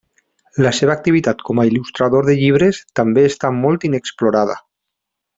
La seva activitat com a il·lustrador de llibres també està molt inexplorada.